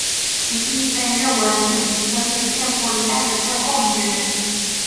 其亦被认为是以色列建国一代的最后一人。